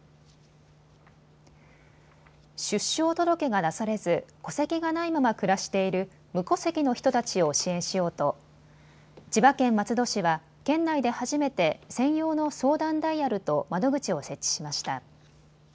出生届が出されず戸籍がないまま暮らしている無戸籍の人たちを支援しようと千葉県松戸市は県内で初めて専用の相談ダイヤルと窓口を設置しました。